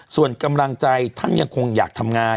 ส่วนกำลังใจท่านยังคงอยากทำงาน